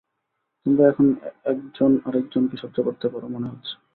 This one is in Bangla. তোমরা এখন একজন আরেকজনকে সহ্য করতে পারো, মনে হচ্ছে!